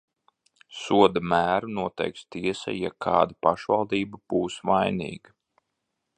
Soda mēru noteiks tiesa, ja kāda pašvaldība būs vainīga.